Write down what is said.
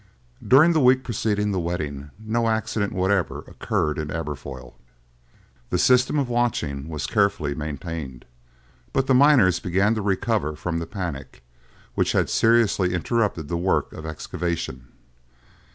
During the week preceding the wedding, no accident whatever occurred in Aberfoyle. The system of watching was carefully maintained, but the miners began to recover from the panic, which had seriously interrupted the work of excavation.